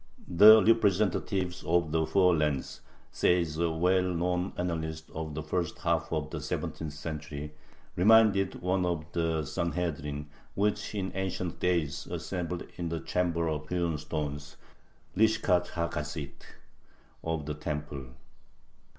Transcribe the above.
The representatives of the Four Lands says a well known annalist of the first half of the seventeenth century reminded one of the Sanhedrin, which in ancient days assembled in the Chamber of Hewn Stones (lishkath ha gazith) of the temple.